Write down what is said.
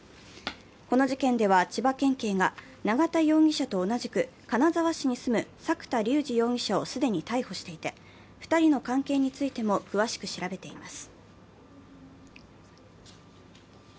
この事件では、千葉県警が永田容疑者と同じく金沢市に住む作田竜二容疑者を既に逮捕していて、２人の関係についても詳しく調べています。